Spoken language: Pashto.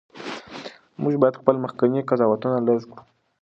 موږ باید خپل مخکني قضاوتونه لږ کړو.